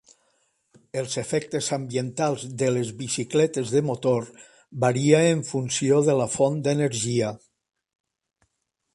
Els efectes ambientals de les bicicletes de motor varia en funció de la font d'energia.